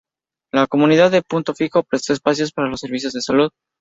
La comunidad de Punto Fijo prestó espacios para los servicios de salud.